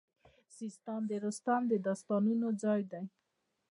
سیستان د رستم د داستانونو ځای دی